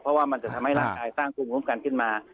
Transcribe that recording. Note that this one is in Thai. เพราะว่ามันจะทำให้ร่างกายสร้างภูมิคุ้มกันขึ้นมา